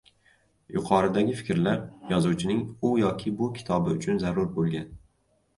Yuqoridagi fikrlar yozuvchining u yoki bu kitobi uchun zarur boʻlgan